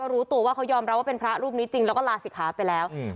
รู้ตัวว่าเขายอมรับว่าเป็นพระรูปนี้จริงแล้วก็ลาศิกขาไปแล้วอืม